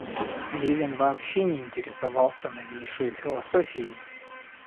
Левин вообще не интересовался новейшею философией.